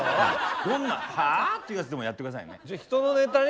どんな「はぁ？」っていうやつでもやって下さいね。